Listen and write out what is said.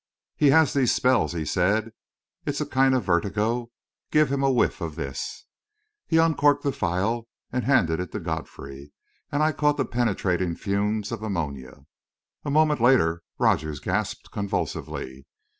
"He has these spells," he said. "It's a kind of vertigo. Give him a whiff of this." He uncorked the phial and handed it to Godfrey, and I caught the penetrating fumes of ammonia. A moment later, Rogers gasped convulsively.